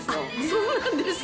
そうなんですか！